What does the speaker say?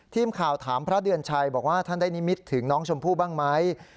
ทีมข่าวถามพระเดือนชัยบอกว่าท่านได้นิมิตถึงน้องชมพู่บ้างไหม